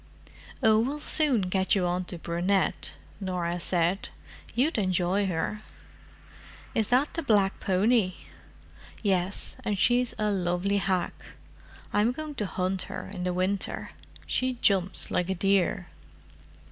"Oh, we'll soon get you on to Brunette," Norah said. "You'd enjoy her." "Is that the black pony?" "Yes—and she's a lovely hack. I'm going to hunt her in the winter: she jumps like a deer."